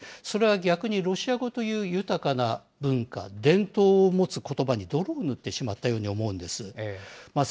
それは逆に、ロシア語という豊かな文化、伝統を持つことばに泥を塗ってしまったように思うんです。